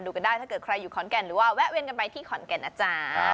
กันได้ถ้าเกิดใครอยู่ขอนแก่นหรือว่าแวะเวียนกันไปที่ขอนแก่นนะจ๊ะ